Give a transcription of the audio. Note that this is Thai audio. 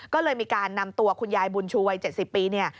ก็เลยมีการนำตัวคุณยายบุญชูวัย๗๐ปีเนี่ย